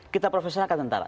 kita profesionalkan tentara